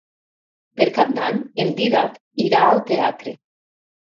Per Cap d'Any en Dídac irà al teatre.